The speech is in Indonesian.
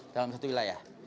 dalam satu wilayah